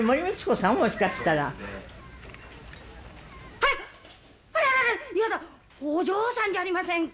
あららら嫌だお嬢さんじゃありませんか！